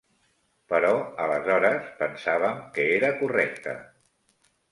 Però aleshores, pensàvem que era correcte.